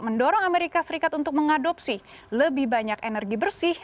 mendorong amerika serikat untuk mengadopsi lebih banyak energi bersih